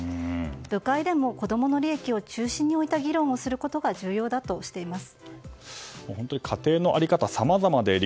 部会でも子供の利益を中心に置いた議論をすることが重要だとしています。